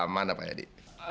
mana pak yadi